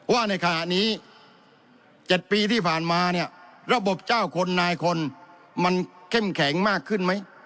ว่าในขณะนี้๗ปีที่ผ่านมาเนี่ยระบบเจ้าคนนายคนมันเข้มแข็งมากขึ้นไหม